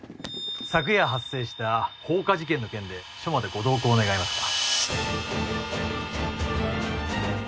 昨夜発生した放火事件の件で署までご同行願えますか？